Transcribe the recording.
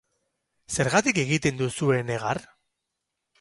Zergatik egiten duzue negar?